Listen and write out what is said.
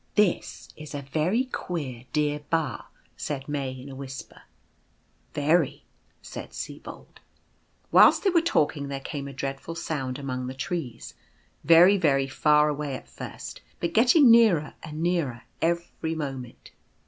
" This is a very queer dear Ba !" said May, in a whisper. "Very," said Sibold. Whilst they were talking there came a dreadful sound among the trees, very very far away at first, but getting nearer and nearer every moment.